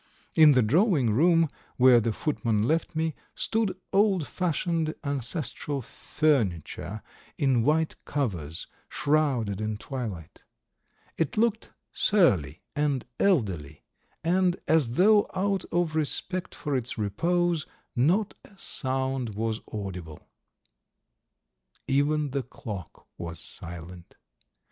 In the drawing room, where the footman left me, stood old fashioned ancestral furniture in white covers, shrouded in twilight. It looked surly and elderly, and, as though out of respect for its repose, not a sound was audible. Even the clock was silent